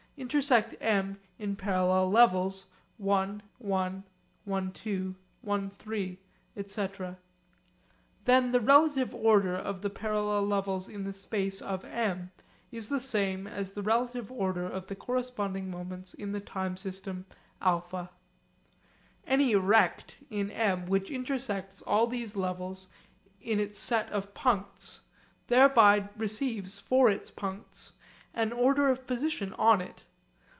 intersect M in parallel levels l₁, l₂, l₃, etc. Then the relative order of the parallel levels in the space of M is the same as the relative order of the corresponding moments in the time system α. Any rect in M which intersects all these levels in its set of puncts, thereby receives for its puncts an order of position on it.